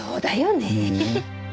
ねえ。